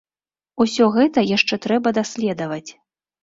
Усё гэта яшчэ трэба даследаваць.